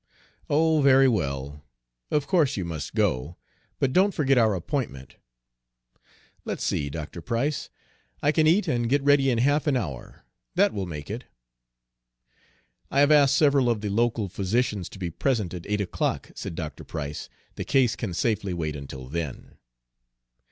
"Oh, very well; of course you must go; but don't forget our appointment. Let's see, Dr. Price, I can eat and get ready in half an hour that will make it" "I have asked several of the local physicians to be present at eight o'clock," said Dr. Price. "The case can safely wait until then."